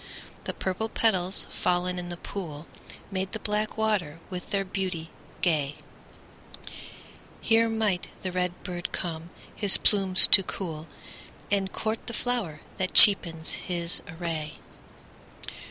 The purple petals, fallen in the pool, Made the black water with their beauty gay; Here might the red bird come his plumes to cool, And court the flower that cheapens his array.